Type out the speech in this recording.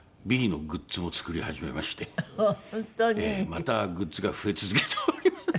またグッズが増え続けております。